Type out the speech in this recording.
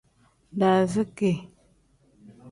Daaziki.